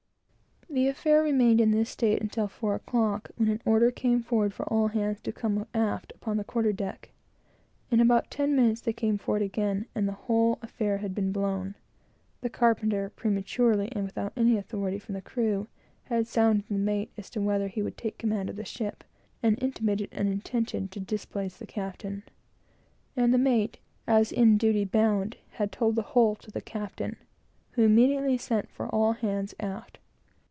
The affair remained in this state until four o'clock, when an order came forward for all hands to come aft upon the quarter deck. In about ten minutes they came forward again, and the whole affair had been blown. The carpenter, very prematurely, and without any authority from the crew, had sounded the mate as to whether he would take command of the ship, and intimated an intention to displace the captain; and the mate, as in duty bound, had told the whole to the captain, who immediately sent for all hands aft.